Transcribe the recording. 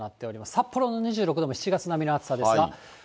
札幌も２６度も７月並みの暑さですが。